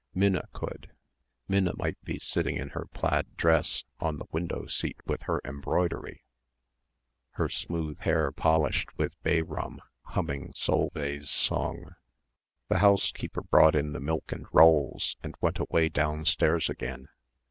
Minna could. Minna might be sitting in her plaid dress on the window seat with her embroidery, her smooth hair polished with bay rum humming Solveig's song. The housekeeper brought in the milk and rolls and went away downstairs again.